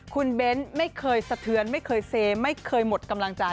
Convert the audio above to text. คุณเบ้นท์ไม่เคยเสมไม่เคยสะเทือนไม่เคยหมดกำลังใจ